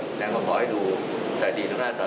กระจ่างภายนอกก็ระวังอีกด้าน